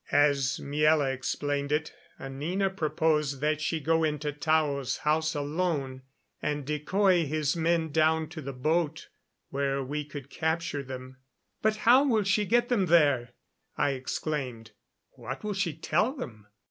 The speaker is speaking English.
As Miela explained it, Anina proposed that she go into Tao's house alone, and decoy his men down to the boat where we could capture them. "But how will she get them there?" I exclaimed. "What will she tell them?"